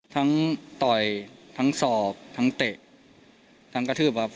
ต่อยทั้งสอบทั้งเตะทั้งกระทืบครับ